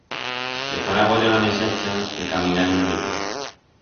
Le fará goyo a la mesacha de caminar una miqueta.